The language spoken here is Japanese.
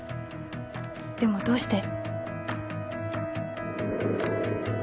でもどうして？